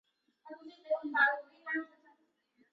克罗地亚国徽中最大的盾章图样就是克罗地亚棋盘图。